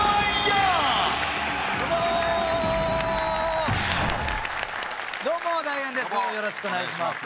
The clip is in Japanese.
よろしくお願いします